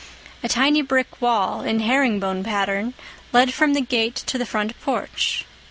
A tiny brick wall, in herring bone pattern, led from the gate to the front porch.